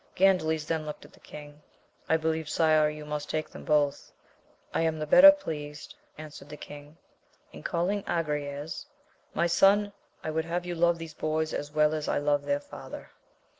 Gandales then looked at the king; I believe, sire, you must take them both. I am the better pleased, answered the king, and calling Agrayes, my son I would have you love these boys as well as I love their father.